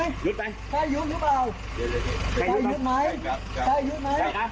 ใช่หยุดมั้ยใช่หยุดหรือเปล่าได้หยุดไหมใช่ครับ